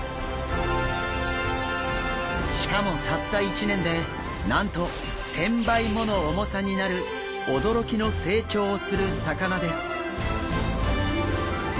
しかもたった１年でなんと１０００倍もの重さになる驚きの成長をする魚です。